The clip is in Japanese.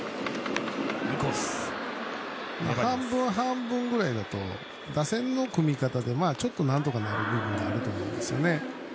半分半分ぐらいだと打線の組み方でちょっとなんとかなる部分もあるかと思いますね。